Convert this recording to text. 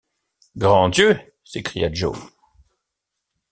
Grand Dieu! s’écria Joe.